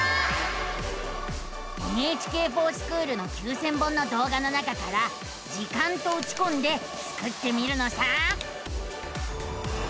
「ＮＨＫｆｏｒＳｃｈｏｏｌ」の９，０００本のどう画の中から「時間」とうちこんでスクってみるのさ！